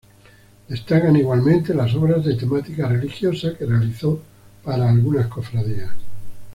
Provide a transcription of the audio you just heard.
Destacan igualmente las obras de temática religiosa que realizó para algunas cofradías.